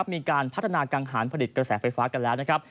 มีการพัฒนากังหารผลิตกระแสไฟฟ้ากันแล้วนะครับ